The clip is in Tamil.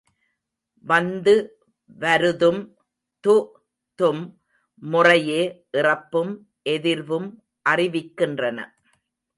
வந்து வருதும் து, தும் முறையே இறப்பும் எதிர்வும் அறிவிக்கின்றன.